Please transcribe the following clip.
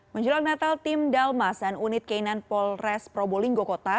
menjelang natal tim dalmas dan unit k sembilan polres probolinggo kota